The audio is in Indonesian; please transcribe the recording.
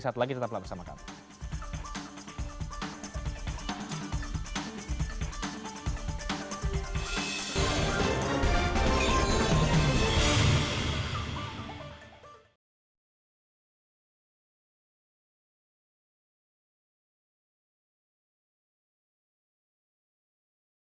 saat lagi tetap bersama kami